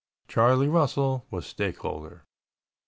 Charlie Russell was stake holder.